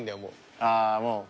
ああもう。